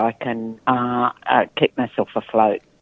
saya hanya bisa menjaga diri saya